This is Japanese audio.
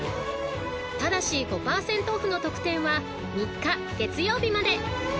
［ただし５％オフの特典は３日月曜日まで］